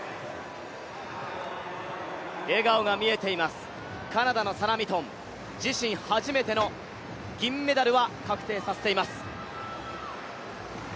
笑顔が見えています、カナダのサラ・ミトン、自身初めての銀メダルは確定させています。